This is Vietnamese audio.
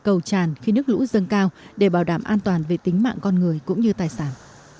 các cầu tràn khi nước lũ dâng cao để bảo đảm an toàn về tính mạng con người cũng như tài sản